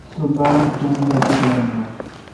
سو باڑ ٹائم دا چیکارم دوس۔